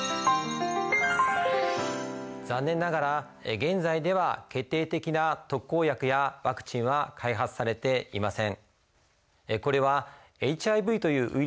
残念ながら現在では決定的な特効薬やワクチンは開発されていません。